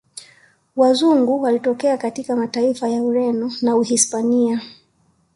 Wazungu walitokea katika mataifa ya Ureno na uhispania